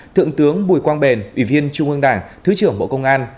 thượng tướng bùi quang bền ủy viên trung ương đảng thứ trưởng bộ công an